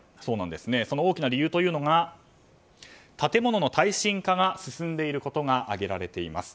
その大きな理由として建物の耐震化が進んでいることが挙げられています。